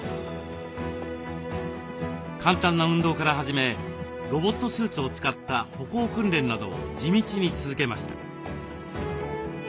簡単な運動から始めロボットスーツを使った歩行訓練などを地道に続けました。